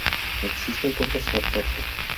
Existen pocas aparte.